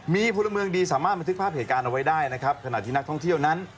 มีพลเมืองดีสามารถบันทึกภาพเหตุการณ์เอาไว้ได้นะครับขณะที่นักท่องเที่ยวนั้น